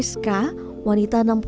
bersama anak keduanya rizka